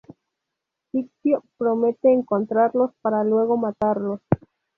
Ciccio promete encontrarlos para luego matarlos.